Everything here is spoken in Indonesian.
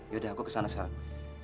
yaudah aku ke sana sekarang